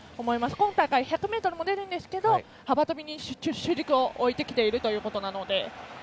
今回は１００ｍも出ますが走り幅跳びに主軸を置いてきているということなので。